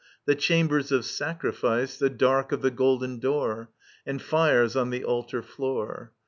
The chambers of sacrifice. The dark of the golden door. And fires on the altar floor.